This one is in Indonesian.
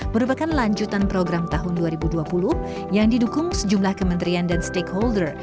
merupakan lanjutan program tahun dua ribu dua puluh yang didukung sejumlah kementerian dan stakeholder